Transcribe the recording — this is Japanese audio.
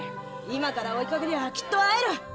今から追いかけりゃきっと会える！